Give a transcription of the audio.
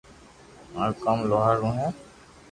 مارو ڪوم لوھار رو ھي